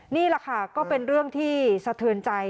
นี่แหละค่ะก็เป็นเรื่องที่สะเทือนใจ